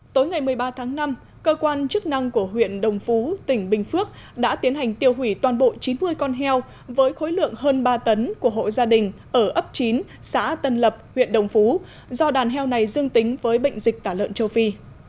tối ngày một mươi ba tháng năm cơ quan chức năng của huyện đồng phú tỉnh bình phước đã tiến hành tiêu hủy toàn bộ chín mươi con heo với khối lượng hơn ba tấn của hộ gia đình ở ấp chín xã tân lập huyện đồng phú do đàn heo này dương tính với bệnh dịch tả lợn châu phi